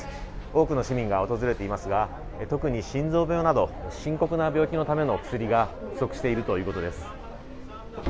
多くの市民が訪れていますが、特に心臓病など深刻な病気のための薬が不足しているということです。